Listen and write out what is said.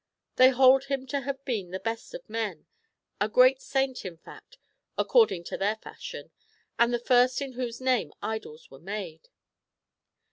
They hold him to have been the best of men, a great saint in fact, according to their fashion, and the first in whose name idols were made.'